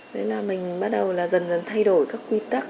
đấy là mình bắt đầu là dần dần thay đổi các quy tắc